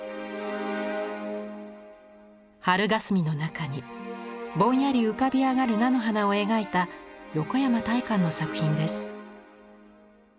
春がすみの中にぼんやり浮かび上がる菜の花を描いた横山大観の作品です。